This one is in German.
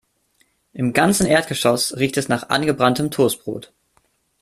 Im ganzen Erdgeschoss riecht es nach angebranntem Toastbrot.